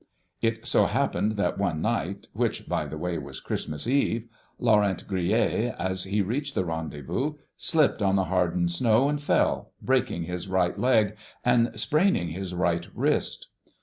"It so happened that one night, which, by the way, was Christmas Eve, Laurent Grillet, as he reached the rendezvous, slipped on the hardened snow and fell, breaking his right leg and spraining his right wrist.